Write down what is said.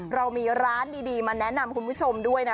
เรามีร้านดีมาแนะนำคุณผู้ชมด้วยนะ